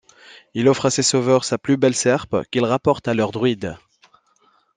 Il offre à ses sauveurs sa plus belle serpe, qu'ils rapportent à leur druide.